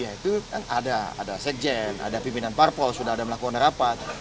ya itu kan ada ada sekjen ada pimpinan parpol sudah ada melakukan rapat